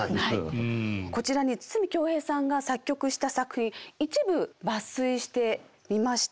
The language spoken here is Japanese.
こちらに筒美京平さんが作曲した作品一部抜粋してみました。